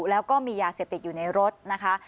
แล้วก็มียาเสพติดอยู่ในรถนะคะ